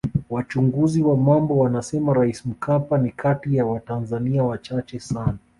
Wachunguzi wa mambo wanasema Rais Mkapa ni kati ya watanzania wachache sana